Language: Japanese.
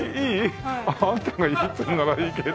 あんたがいいって言うならいいけど。